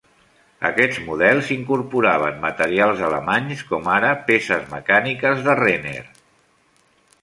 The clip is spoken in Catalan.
Aquests models incorporaven materials alemanys, com ara peces mecàniques de Renner.